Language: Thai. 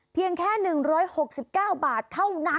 เพียงแค่๑๖๙บาทเท่านั้น